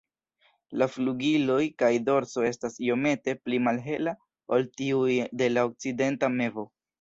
La flugiloj kaj dorso estas iomete pli malhela ol tiuj de la Okcidenta mevo.